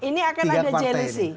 ini akan ada jelusi